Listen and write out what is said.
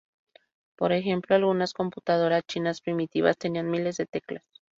Por ejemplo, algunas computadoras chinas primitivas tenían miles de teclas.